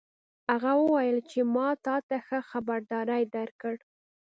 هغه وویل چې ما تا ته ښه خبرداری درکړ